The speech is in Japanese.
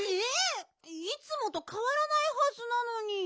いつもとかわらないはずなのに。